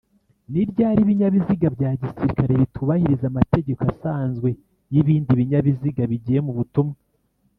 niryali Ibinyabiziga bya gisirikare bitubahiriza amategeko asazwe y’ibindi binyabiziga bigiye mubutumwa